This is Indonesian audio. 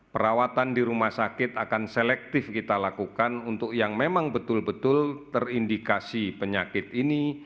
perawatan di rumah sakit akan selektif kita lakukan untuk yang memang betul betul terindikasi penyakit ini